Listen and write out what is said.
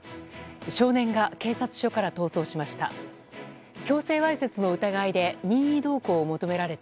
少年が警察署から逃走しました。